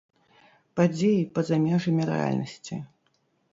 Падзеі па-за межамі рэальнасці.